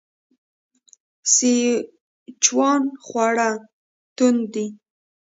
سیچوان خواړه توند دي.